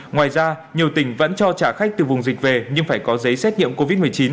ngoài ra nhiều tỉnh vẫn cho trả khách từ vùng dịch về nhưng phải có giấy xét nghiệm covid một mươi chín